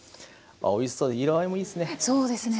あおいしそうで色合いもいいですね。